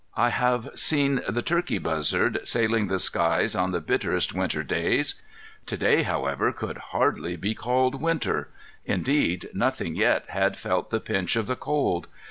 I have seen the turkey buzzard sailing the skies on the bitterest winter days. To day, however, could hardly be called winter. Indeed, nothing yet had felt the pinch of the cold.